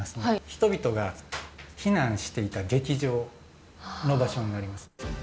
人々が避難していた劇場の場所になります。